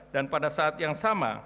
dan pada saat yang sama